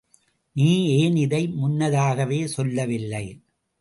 நீ ஏன் இதை முன்னதாகவே சொல்லவில்லை?